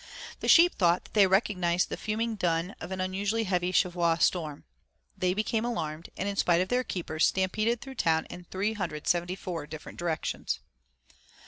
The sheep thought that they recognized the fuming dun of an unusually heavy Cheviot storm. They became alarmed, and in spite of their keepers stampeded through the town in 374 different directions.